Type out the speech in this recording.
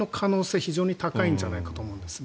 非常に高いんじゃないかと思うんですね。